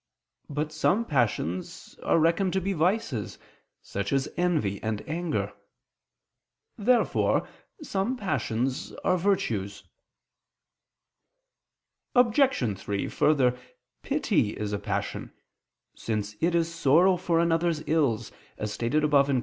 But some passions are reckoned to be vices, such as envy and anger. Therefore some passions are virtues. Obj. 3: Further, pity is a passion, since it is sorrow for another's ills, as stated above (Q.